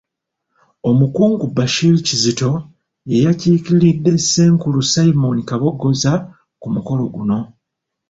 Omukungu Bashir Kizito ye yakiikiridde Ssenkulu Simon Kaboggoza ku mukolo guno.